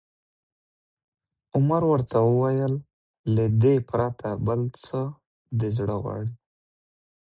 عمر ورته وویل: له دې پرته، بل څه دې زړه غواړي؟